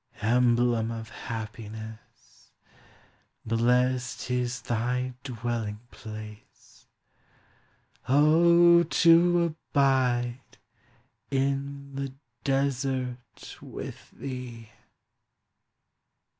Emblem of happiness, Blest is thy dwelling place, — O, to abide in the desert with thee